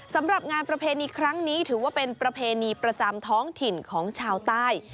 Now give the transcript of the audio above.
สำหรับงานประเพณีครั้งนี้ถือว่าเป็นประเพณีประจำท้องถิ่นของชาวใต้